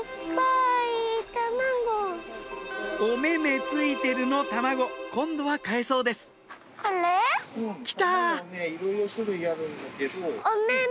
「おめめついてる」の卵今度は買えそうです来た！